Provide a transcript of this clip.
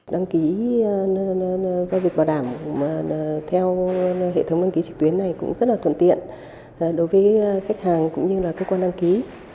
đăng ký giao dịch bảo đảm theo hệ thống đăng ký trực tuyến này cũng rất là thuận tiện đối với khách hàng cũng như là cơ quan đăng ký